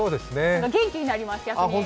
元気になります、逆に。